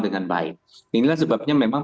dengan baik inilah sebabnya memang